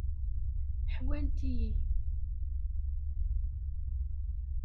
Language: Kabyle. Ḥewwant-iyi.